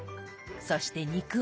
そして肉は。